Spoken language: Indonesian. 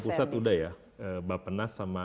pusat udah ya bapak nas sama